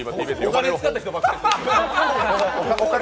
お金使った人ばっかり。